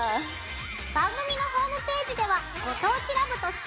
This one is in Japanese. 番組のホームページでは「ご当地ＬＯＶＥ」として。